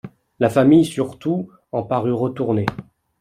La famille, surtout, en parut retournée.